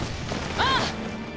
ああ！